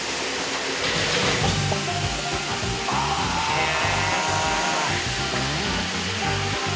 へえ！